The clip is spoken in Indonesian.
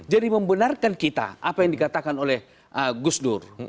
jadi membenarkan kita apa yang dikatakan oleh gus dur